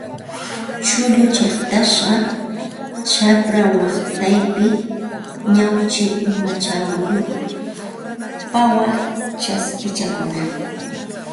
Kullu chiqtasqa, chapra waqtaypi ñawchi umachayuq pawaq kaspichakuna